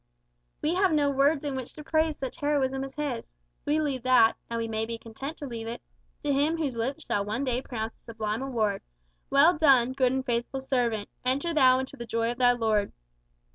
We have no words in which to praise such heroism as his. We leave that and we may be content to leave it to Him whose lips shall one day pronounce the sublime award, "Well done, good and faithful servant; enter thou into the joy of thy Lord."